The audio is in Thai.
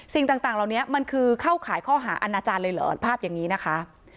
สิ่งต่างเหล่านี้มันคือเข้าขายข้อหาอาณาจารย์เลยเหรอภาพอย่างนี้นะคะ